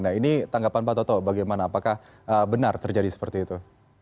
nah ini tanggapan pak toto bagaimana apakah benar terjadi seperti itu